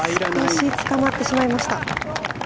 少しつかまってしまいました。